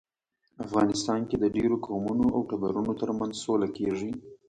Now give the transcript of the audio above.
افغانستان کې د ډیرو قومونو او ټبرونو ترمنځ سوله کیږي